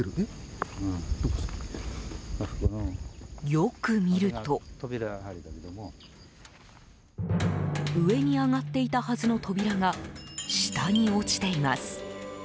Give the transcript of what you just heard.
よく見ると上に上がっていたはずの扉が下に落ちています。